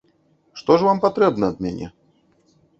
Што ж вам патрэбна ад мяне?